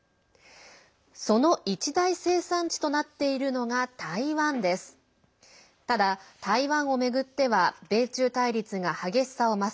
その一大生産地となっているのが台湾です。